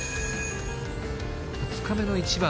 ２日目の１番。